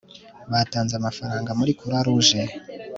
batanze amafaranga muri croix-rouge